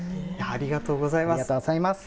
ありがとうございます。